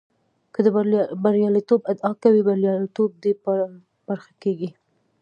که د برياليتوب ادعا کوې برياليتوب دې په برخه کېږي.